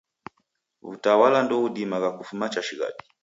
W'utawala ndoghudimagha kufuma chashighadi.